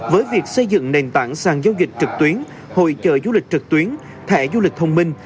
với việc xây dựng nền tảng sàn giao dịch trực tuyến hội trợ du lịch trực tuyến thẻ du lịch thông minh